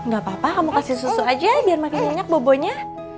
gak apa apa kamu kasih susu aja biar makin minyak bobo nya